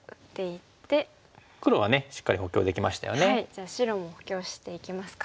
じゃあ白も補強していきますか。